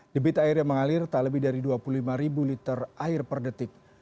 debit air yang mengalir tak lebih dari dua puluh lima liter air per detik